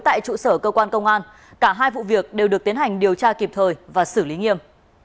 tại trụ sở cơ quan công an cả hai vụ việc đều được tiến hành điều tra kịp thời và xử lý nghiêm